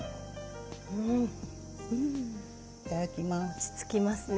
落ち着きますね。